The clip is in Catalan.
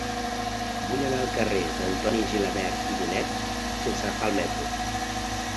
Vull anar al carrer d'Antoni Gilabert i Bonet sense agafar el metro.